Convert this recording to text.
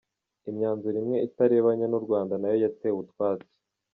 Imyanzuro imwe itaberanye n’u Rwanda na yo yatewe utwatsi .